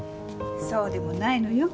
そうでもないのよ。